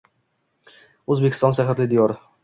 O‘zbekiston sehrli diyor